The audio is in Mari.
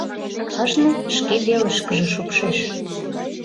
Кажне шке велышкыже шупшеш.